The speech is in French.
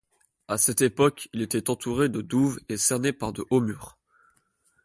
A cette époque, il était entouré de douves et cerné par de hauts murs.